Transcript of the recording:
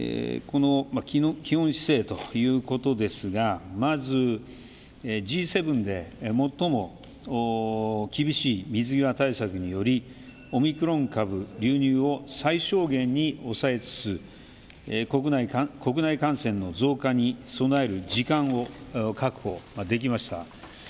基本姿勢ということですがＧ７で最も厳しい水際対策によりオミクロン株流入を最小限に抑えつつ国内感染の増加に備える時間を確保できました。